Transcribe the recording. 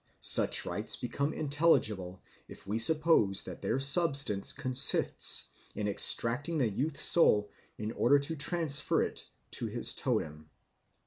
Such rites become intelligible if we suppose that their substance consists in extracting the youth's soul in order to transfer it to his totem.